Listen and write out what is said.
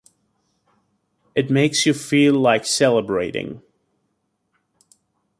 It makes you feel like celebrating.